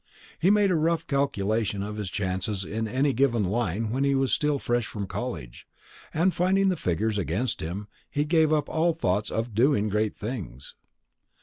He made a rough calculation of his chances in any given line when he was still fresh from college, and finding the figures against him, gave up all thoughts of doing great things.